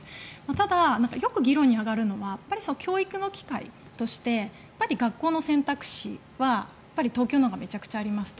ただ、よく議論に上がるのはやっぱり教育の機会として学校の選択肢は、東京のほうがめちゃくちゃありますと。